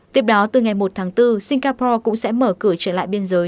tiếp đó từ ngày một tháng bốn singapore cũng sẽ mở cửa trở lại biên giới